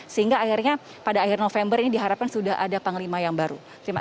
sehingga akhirnya pada akhir november ini diharapkan sudah ada panglima yang baru